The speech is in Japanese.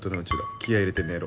気合入れて寝ろ。